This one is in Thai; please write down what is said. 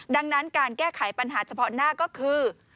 ดังนั้นการแก้ไขปัญหาเฉพาะหน้าก็คือ